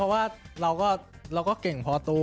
เพราะว่าเราก็เก่งพอตัว